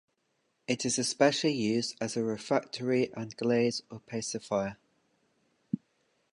It is especially used as a refractory and glaze opacifier.